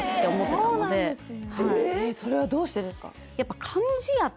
それはどうしてですか？